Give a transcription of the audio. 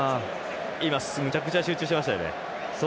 むちゃくちゃ集中してましたよね。